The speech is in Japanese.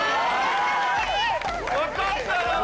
分かったのに。